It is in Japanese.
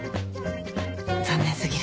残念過ぎる。